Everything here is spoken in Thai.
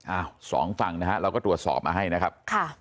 อ้าวสองฝั่งนะฮะเราก็ตรวจสอบมาให้นะครับค่ะ